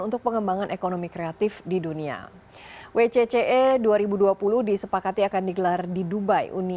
untuk pengembangan ekonomi kreatif di dunia wcce dua ribu dua puluh disepakati akan digelar di dubai uni